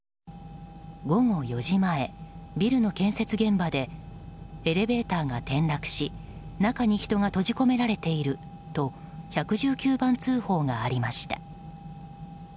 午後４時前、ビルの建設現場でエレベーターが転落し中に人が閉じ込められていると１１９番通報がありました。